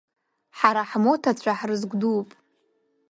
Ҳара ҳмоҭацәа ҳрызгәдууп.